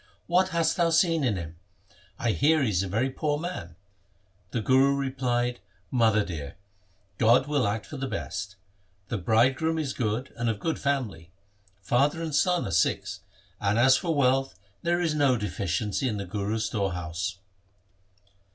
' What hast thou seen in him ? I hear he is a very poor man.' The Guru replied, ' Mother dear, God will act for the best. The bridegroom is good and of good family. Father and son are Sikhs, and as for wealth there is no deficiency in the Guru's store house.'